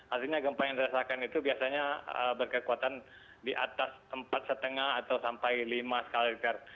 artinya gempa yang dirasakan itu biasanya berkekuatan di atas empat lima atau sampai lima skala richter